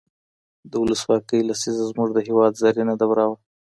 د ولسواکۍ لسیزه زموږ د هېواد زرینه دوره وه.